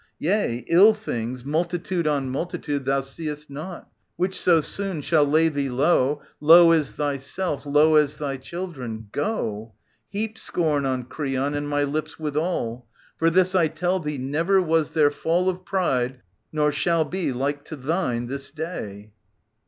Yea, ill things multitude on multitude i 24 TT. 4^5 438 OEDIPUS, KING OF THEBES Thou sccst not, which so soon shall lay thee low, Low as thyself, low as thy children. — Go, Heap scorn on Creon and my lips withal : For this I tell thee, never was there fall Of pride, nor shall be, like to thine this day.